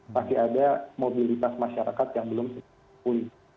masih ada mobilitas masyarakat yang belum pulih